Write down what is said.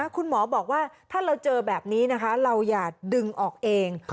คุณหมอบอกว่าถ้าเราเจอแบบนี้นะคะเราอย่าดึงออกเอง